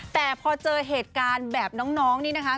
แต่พอเจอเหตุการณ์แบบน้องนี่นะคะ